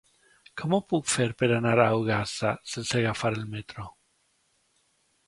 Com ho puc fer per anar a Ogassa sense agafar el metro?